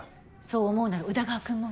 そう思うなら宇田川くんも。